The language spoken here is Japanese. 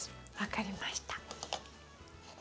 分かりました。